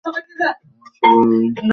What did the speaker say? আমরা সবাই উ অ্যাসাসিনস।